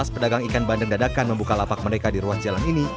lima belas pedagang ikan bandeng dadakan membuka lapak mereka di ruas jalan ini